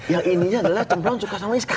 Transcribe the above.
yang ininya adalah cemplon suka sama iskak